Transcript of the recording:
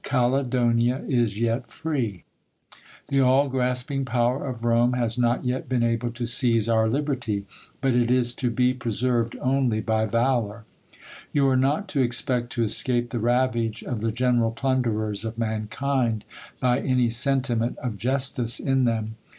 Caledonia is yet free. The all grasping power of Rome has not yet been able to seize our liberty. But it is to be preserved only by valour. You are not to expect to escape the ravage of the general plunderers of mankind, by any sentiment of justice in them.